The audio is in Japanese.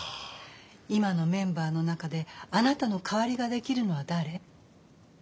今のメンバーの中であなたの代わりができるのは誰？